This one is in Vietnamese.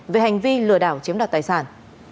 về hành vi lừa đảo chiếm đoạt tài sản